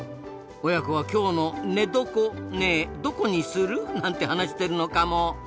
親子は今日の寝床ねどこにする？なんて話してるのかも。